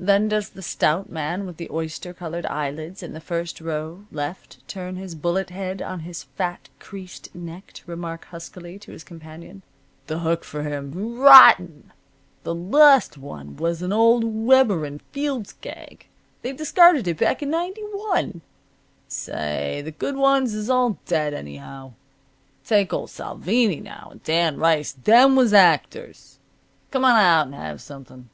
Then does the stout man with the oyster colored eyelids in the first row, left, turn his bullet head on his fat creased neck to remark huskily to his companion: "The hook for him. R r r rotten! That last one was an old Weber'n Fields' gag. They discarded it back in '91. Say, the good ones is all dead, anyhow. Take old Salvini, now, and Dan Rice. Them was actors. Come on out and have something."